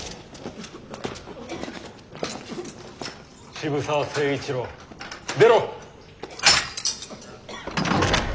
渋沢成一郎出ろ！